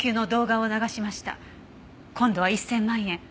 今度は１０００万円。